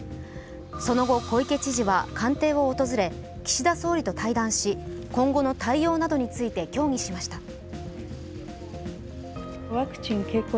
その後、小池知事は官邸を訪れ岸田総理と対談し、今後の対応などについて協議しました。